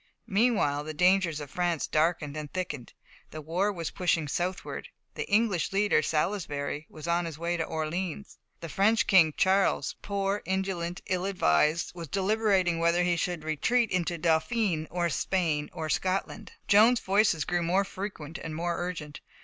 Meanwhile the dangers of France darkened and thickened. The war was pushing southward; the English leader, Salisbury, was on his way to Orleans; the French King, Charles, poor, indolent, ill advised, was deliberating whether he should retreat into Dauphiné, or Spain, or Scotland. Joan's voices grew more frequent and more urgent.